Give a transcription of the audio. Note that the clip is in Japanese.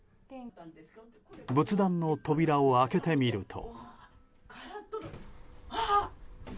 仏壇の扉を開けてみると。